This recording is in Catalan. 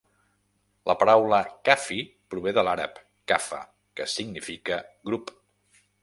La paraula 'kafi' prové de l'àrab "kafa", que significa grup.